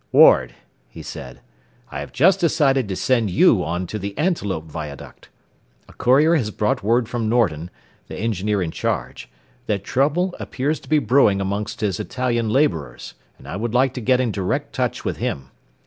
"Ward," he said, "I have just decided to send you on to the Antelope viaduct. A courier has brought word from Norton, the engineer in charge, that trouble appears to be brewing amongst his Italian laborers, and I would like to get in direct touch with him.